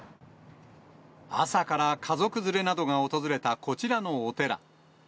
朝から家族連れなどが訪れたこちらのお寺。